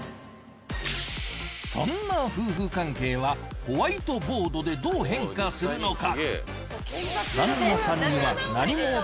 そんな夫婦関係はホワイトボードでどう変化するのか？